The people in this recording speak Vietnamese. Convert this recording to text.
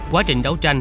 quá trình đấu tranh